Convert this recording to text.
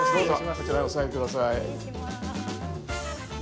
そちらへお座り下さい。